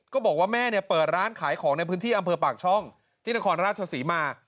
บอกว่าแม่เปิดร้านขายของในพื้นที่อำเภอปากช่องที่นครราชศรีมา